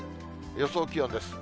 予想気温です。